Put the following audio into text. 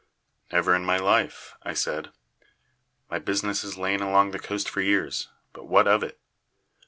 "Never in my life," I said. "My business has lain along the coast for years. But what of it?"